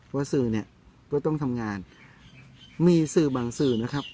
ว่าสื่อเนี่ยก็ต้องทำงานมีสื่อบางสื่อนะครับ